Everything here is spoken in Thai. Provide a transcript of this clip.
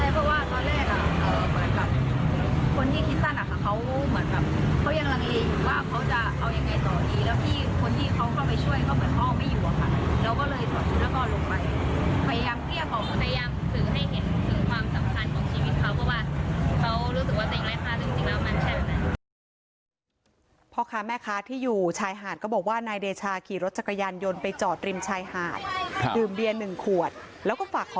ใช่เพราะว่าตอนแรกคนที่คิดสั้นเขาเหมือนกับเขายังหลังเออยู่ว่า